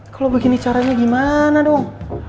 kalau begini caranya gimana dong